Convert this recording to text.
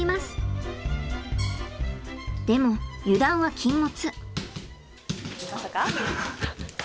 でも油断は禁物。